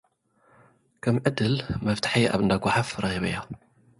ከም ዕድል፡ መፍትሐይ ኣብ እንዳ ጐሓፍ ረኺበዮ።